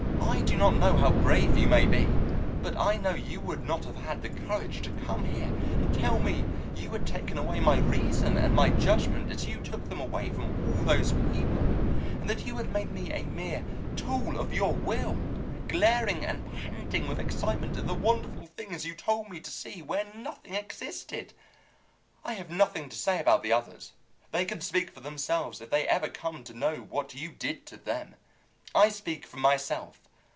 I do not know how brave you may be, but I know you would not have had the courage to come here and tell me that you had taken away my reason and my judgment, as you took them away from all those people, and that you had made me a mere tool of your will glaring and panting with excitement at the wonderful things you told me to see where nothing existed. I have nothing to say about the others. They can speak for themselves if they ever come to know what you did to them. I speak for myself.